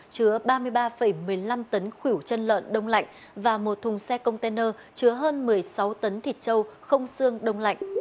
chứa ba mươi ba một mươi năm tấn khỉu chân lợn đông lạnh và một thùng xe container chứa hơn một mươi sáu tấn thịt trâu không xương đông lạnh